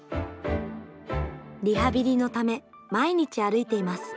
リハビリのため毎日、歩いています。